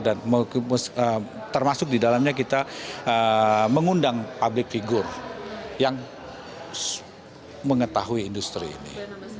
dan termasuk di dalamnya kita mengundang publik figur yang mengetahui industri ini